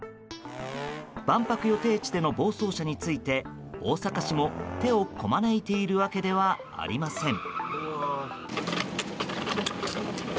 万博予定地での暴走車について大阪市も手をこまねいているわけではありません。